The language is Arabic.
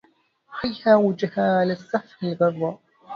حيها أوجها على السفح غرا